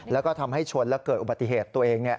แล้วก็ทำให้ชนแล้วเกิดอุบัติเหตุตัวเอง